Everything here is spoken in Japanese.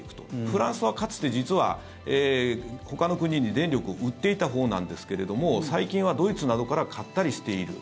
フランスはかつて実はほかの国に電力を売っていたほうなんですけれども最近はドイツなどから買ったりしている。